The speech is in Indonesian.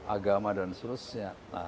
agama dan seluruhnya